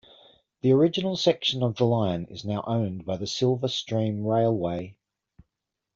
The original section of the line is now owned by the Silver Stream Railway.